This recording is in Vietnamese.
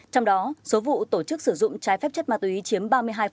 trong đó số vụ tổ chức sử dụng trái phép chất ma túy chiếm ba mươi hai